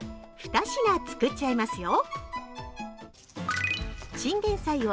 ２品作っちゃいますよ。